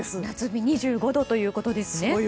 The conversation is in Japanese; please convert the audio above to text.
夏日２５度ということですね。